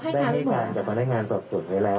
ได้ให้การจับมาด้านงานสอบส่งแล้ว